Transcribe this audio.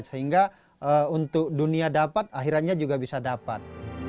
dan sehingga untuk dunia dapat akhirnya juga bisa dapat